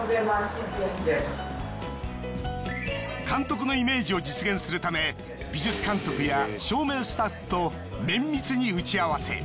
監督のイメージを実現するため美術監督や照明スタッフと。